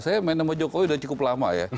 saya main sama jokowi sudah cukup lama ya